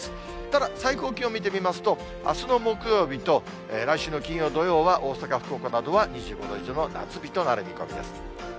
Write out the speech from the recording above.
ただ、最高気温見てみますと、あすの木曜日と、来週の金曜、土曜は大阪、福岡などは２５度以上の夏日となる見込みです。